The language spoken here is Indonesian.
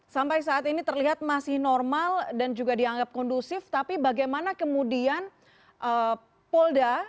sampai saat ini terlihat masih normal dan juga dianggap kondusif tapi bagaimana kemudian polda